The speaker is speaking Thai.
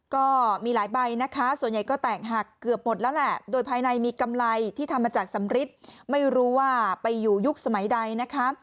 ก็มีหลายใบนะคะส่วนใหญ่ก็แตกหักเกือบหมดแล้วแหละโดยภายในมีกำไรที่ทำมาจากสำริทไม่รู้ว่าไปอยู่ยุคสมัยใดนะคะ